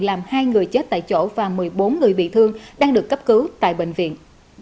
làm hai người chết tại chỗ và một mươi bốn người bị thương đang được cấp cứu tại bệnh viện